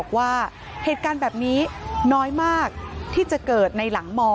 บอกว่าเหตุการณ์แบบนี้น้อยมากที่จะเกิดในหลังม